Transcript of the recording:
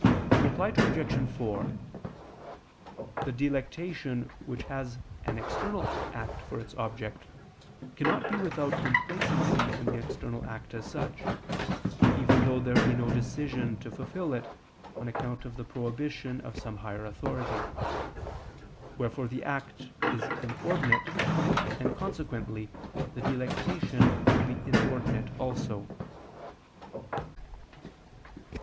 Reply Obj. 4: The delectation which has an external act for its object, cannot be without complacency in the external act as such, even though there be no decision to fulfil it, on account of the prohibition of some higher authority: wherefore the act is inordinate, and consequently the delectation will be inordinate also.